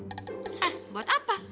eh buat apa